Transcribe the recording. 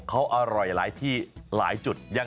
เขาอร่อยหลายที่หลายจุด